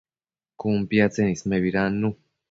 Cun piactsen ismebidannu